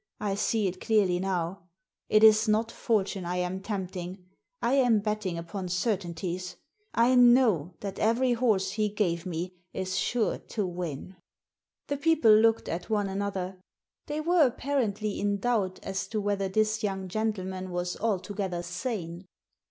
I see it clearly now. It is not Fortune I am tempting; I am betting upon certainties. I know that every horse he gave me is sure to win !" Digitized by VjOOQIC THE TIPSTER 145 The people looked at one another. They were apparently in doubt as to whether this young gentle man was altogether sane.